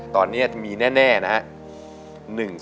ตอนนี้มีแน่นะฮะ